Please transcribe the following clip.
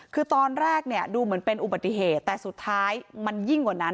คือตอนแรกเนี่ยดูเหมือนเป็นอุบัติเหตุแต่สุดท้ายมันยิ่งกว่านั้น